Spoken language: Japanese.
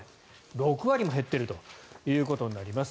６割も減っているということになります。